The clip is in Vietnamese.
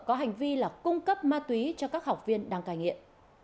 có hành vi là cung cấp ma túy cho các học viên đang cai nghiện